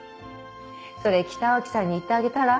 それ北脇さんに言ってあげたら？